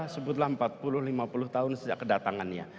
sebutlah empat puluh lima puluh tahun sejak kedatangannya